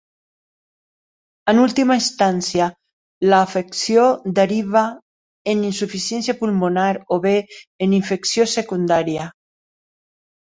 En última instància, l'afecció deriva en insuficiència pulmonar o bé en infecció secundària.